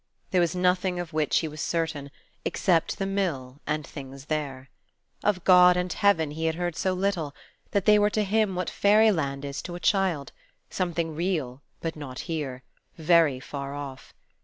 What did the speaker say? There was nothing of which he was certain, except the mill and things there. Of God and heaven he had heard so little, that they were to him what fairy land is to a child: something real, but not here; very far off.